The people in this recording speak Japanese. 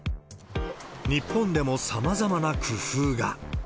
日本でもさまざまな工夫が。